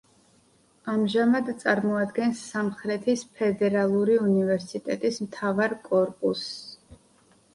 ამჟამად წარმოადგენს სამხრეთის ფედერალური უნივერსიტეტის მთავარ კორპუსს.